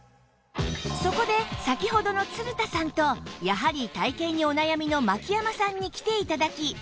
そこで先ほどの鶴田さんとやはり体形にお悩みの牧山さんに来て頂き